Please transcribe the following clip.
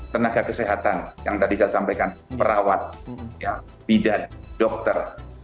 tenaga kesehatan yang tadi saya sampaikan perawat bidan dokter